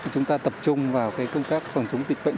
chúng ta tập trung vào công tác phòng chống dịch bệnh